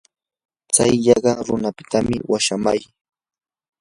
tsay yaqa runapita washaamay.